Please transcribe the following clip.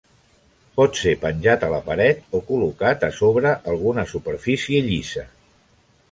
Pot ser penjat a la paret o col·locat a sobre alguna superfície llisa.